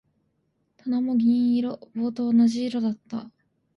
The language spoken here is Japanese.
棚も銀色。棒と同じ色だった。